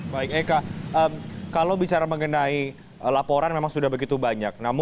baik eka kalau bicara mengenai laporan memang sudah begitu banyak